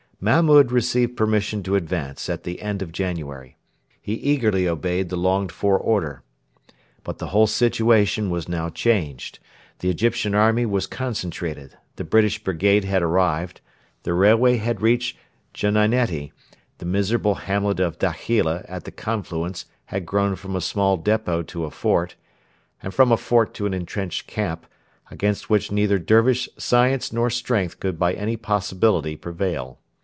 Mahmud received permission to advance at the end of January. He eagerly obeyed the longed for order. But the whole situation was now changed. The Egyptian army was concentrated; the British brigade had arrived; the railway had reached Geneinetti; the miserable hamlet of Dakhila, at the confluence, had grown from a small depot to a fort, and from a fort to an entrenched camp, against which neither Dervish science nor strength could by any possibility prevail.